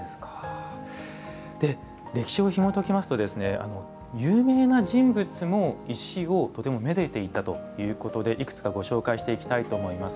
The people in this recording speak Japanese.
歴史をひもときますと有名な人物も石をとても愛でていたということでいくつかご紹介していきたいと思います。